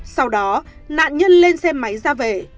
sau đó nạn nhân lên xe máy ra về